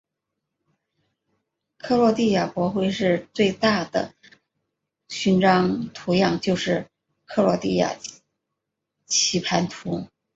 克罗地亚国徽中最大的盾章图样就是克罗地亚棋盘图。